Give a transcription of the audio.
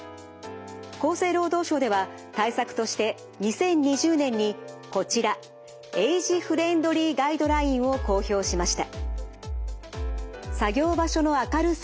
厚生労働省では対策として２０２０年にこちらエイジフレンドリーガイドラインを公表しました。